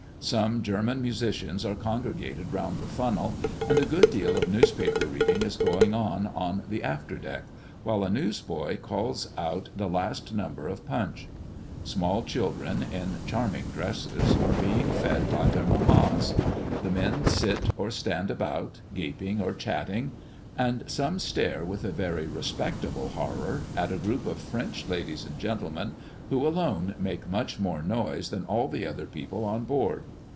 Some German musicians are congregated round the funnel, and a good deal of newspaper reading is going on on the after deck, while a newsboy calls out the last number of Punch; small children, in charming dresses, are being fed by their mammas; the men sit, or stand about, gaping or chatting; and some stare, with a very respectable horror, at a group of French ladies and gentlemen, who alone make much more noise than all the other people on board.